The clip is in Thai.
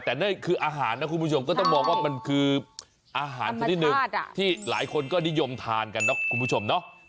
แต่นี่คืออาหารนะคุณผู้ชมก็ต้องบอกว่ามันคืออาหารที่หลายคนก็นิยมทานกันนะคุณผู้ชม